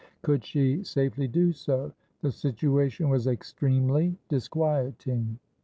Could she safely do so? The situation was extremely disquieting.